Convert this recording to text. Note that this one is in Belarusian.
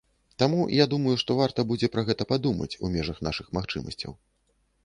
Таму я думаю, што варта будзе пра гэта падумаць у межах нашых магчымасцяў.